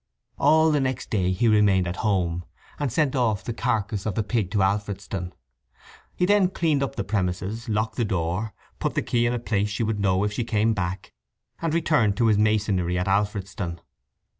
_" All the next day he remained at home, and sent off the carcase of the pig to Alfredston. He then cleaned up the premises, locked the door, put the key in a place she would know if she came back, and returned to his masonry at Alfredston.